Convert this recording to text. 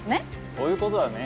そういうことだね。